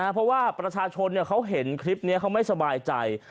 เพราะว่าประชาชนเขาเห็นคลิปนี้เขาไม่สบายใจ